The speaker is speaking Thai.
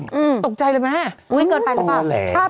อืมตกใจเลยมั้ยต่อแล้วอืมตอแหละอืมตอแหละ